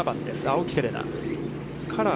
青木瀬令奈。